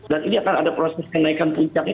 dan ini akan ada proses kenaikan puncaknya